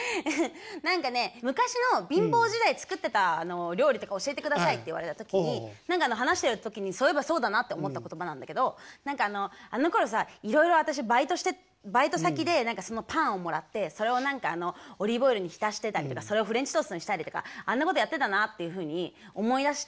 何かね昔の貧乏時代作ってた料理とか教えてくださいって言われた時に話してる時にそういえばそうだなって思った言葉なんだけど何かあのころさいろいろ私バイトしてバイト先で何かそのパンをもらってそれを何かオリーブオイルに浸してたりとかそれをフレンチトーストにしたりとかあんなことやってたなっていうふうに思い出して。